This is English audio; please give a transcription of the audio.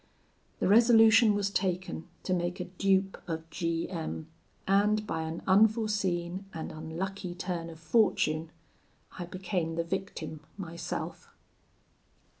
The resolution was taken to make a dupe of G M , and by an unforeseen and unlucky turn of fortune, I became the victim myself.